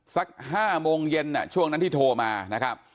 สัก๕โมงเย็นช่วงนั้นที่โทรมานะครับ